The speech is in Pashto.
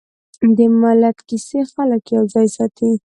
د ملت کیسې خلک یوځای ساتي.